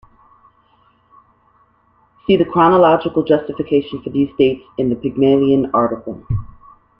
See the chronological justification for these dates in the Pygmalion article.